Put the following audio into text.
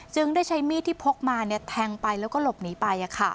ได้ใช้มีดที่พกมาแทงไปแล้วก็หลบหนีไป